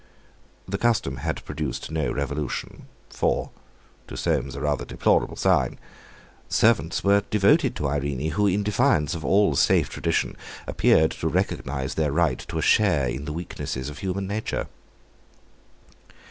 The custom had produced no revolution. For—to Soames a rather deplorable sign—servants were devoted to Irene, who, in defiance of all safe tradition, appeared to recognise their right to a share in the weaknesses of human nature.